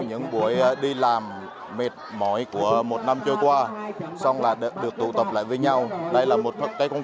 những buổi đi làm mệt mỏi của một năm trôi qua xong là được tụ tập lại với nhau đây là một cái không